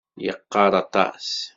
Yeqqar aṭas.